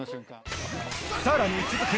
さらに続く